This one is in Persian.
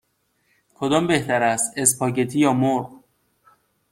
کدام بهتر است: اسپاگتی یا مرغ؟